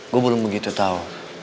gue belum begitu tau